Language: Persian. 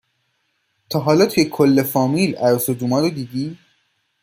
تا حالا توی کل فامیل عروس و داماد رو دیدی